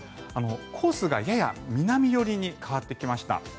コースがやや南寄りに変わってきました。